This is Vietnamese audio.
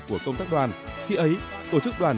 của công tác đoàn khi ấy tổ chức đoàn